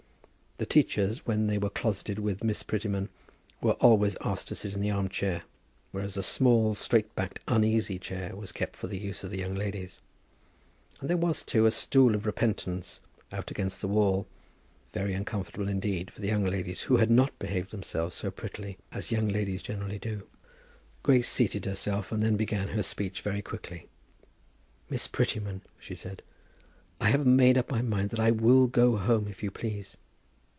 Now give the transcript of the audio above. The teachers, when they were closeted with Miss Prettyman, were always asked to sit in the arm chair, whereas a small, straight backed, uneasy chair was kept for the use of the young ladies. And there was, too, a stool of repentance, out against the wall, very uncomfortable indeed for young ladies who had not behaved themselves so prettily as young ladies generally do. Grace seated herself, and then began her speech very quickly. "Miss Prettyman," she said, "I have made up my mind that I will go home, if you please."